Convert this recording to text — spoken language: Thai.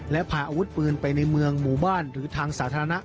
และพาอาวุธปืนไปในเมืองหมู่บ้านหรือทางสาธารณะ